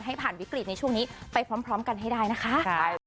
ให้ผ่านวิกฤตในช่วงนี้ไปพร้อมกันให้ได้นะคะ